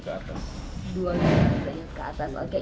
dua puluh lima derajat ke atas oke